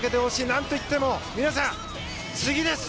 何といっても、皆さん次です！